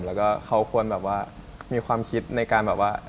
แล้วก็เขาควรแบบว่ามีความคิดในการแบบว่า